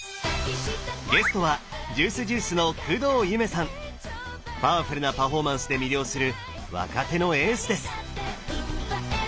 ゲストはパワフルなパフォーマンスで魅了する若手のエースです！